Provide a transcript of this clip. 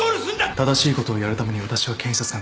正しいことをやるために私は検察官になった。